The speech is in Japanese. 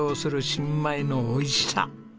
新米の美味しさ。